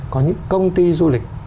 có những công ty du lịch